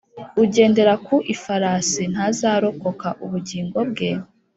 ugendera ku ifarasi ntazarokora ubugingo bwe,